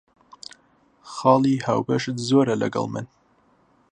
خاڵی هاوبەشت زۆرە لەگەڵ من.